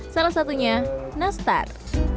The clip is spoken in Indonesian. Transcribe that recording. salah satunya nastar